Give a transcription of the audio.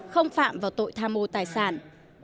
không phạm vào tội tham mô tài sản